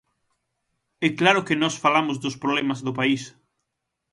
E claro que nós falamos dos problemas do país.